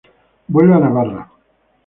Vuelve a Navarra.